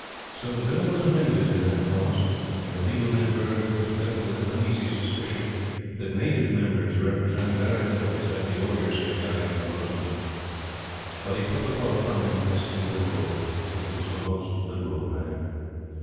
So the Bill was amended in that clause; and the Legal Member was filled with an uneasy suspicion that Native Members represent very little except the Orders they carry on their bosoms. But he put the thought from him as illiberal. He was a most Liberal Man.